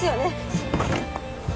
すいません。